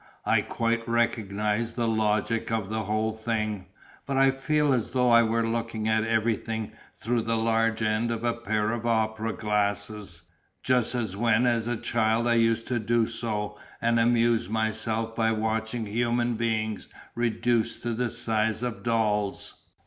I quite recognise the logic of the whole thing, but I feel as though I were looking at everything through the large end of a pair of opera glasses, just as when as a child I used to do so and amuse myself by watching human beings reduced to the size of dolls.